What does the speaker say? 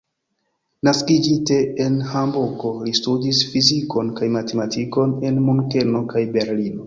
Naskiĝinte en Hamburgo, li studis fizikon kaj matematikon en Munkeno kaj Berlino.